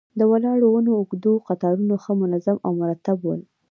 د ولاړو ونو اوږد قطارونه ښه منظم او مرتب ول.